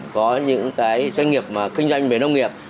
có những doanh nghiệp mà kinh doanh về nông nghiệp